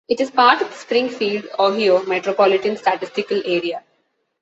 It is part of the Springfield, Ohio Metropolitan Statistical Area.